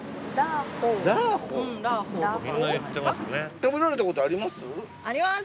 食べられたことあります？